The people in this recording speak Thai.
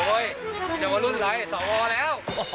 โอ๊ยยาววลุ่นหลาย๒อแล้ว